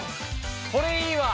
これいいわ。